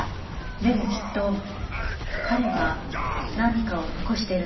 でもきっと彼は何かを残しているんだと思います。